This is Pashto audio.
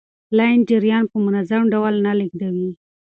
لین جریان په منظم ډول نه لیږدوي.